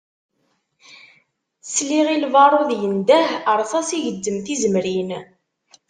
Sliɣ i lbarud yendeh, rsas igezzem tizemrin.